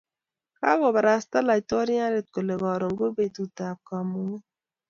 kakobarasta laitoriante kule karon ko betutab kamung'et